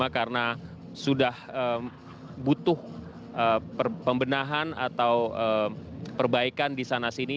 karena sudah butuh pembenahan atau perbaikan di sana sini